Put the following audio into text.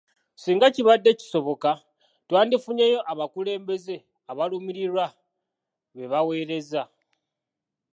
Ssinga kibadde kisoboka twandifunyeeyo abakulembeze abalumirirwa be baweereza.